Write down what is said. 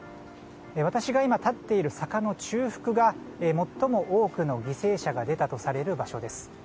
私が今立っている坂の中腹が最も多くの犠牲者が出たとされる場所です。